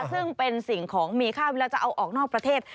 ซึ่งเป็นสิ่งของมีค่าเวลาจะเอาออกนอกประเทศ